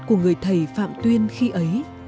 của người thầy phạm tuyên khi ấy